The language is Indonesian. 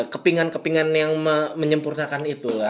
kepingan kepingan yang menyempurnakan itu